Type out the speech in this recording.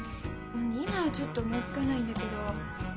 今はちょっと思いつかないんだけど。